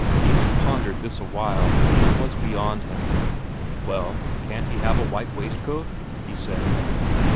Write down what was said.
Isak pondered this a while; it was beyond him. "Well, can't he have a white waistcoat?" he said.